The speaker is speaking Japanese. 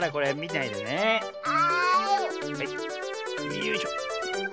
よいしょ。